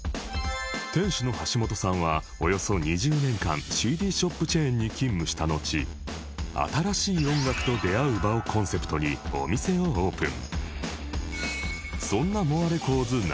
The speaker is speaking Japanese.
店主の橋本さんはおよそ２０年間 ＣＤ ショップチェーンに勤務したのち「新しい音楽と出会う場」をコンセプトにお店をオープン